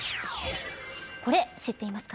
これ、知っていますか。